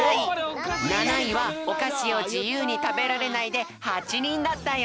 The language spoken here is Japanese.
７いは「おかしをじゆうにたべられない」で８にんだったよ！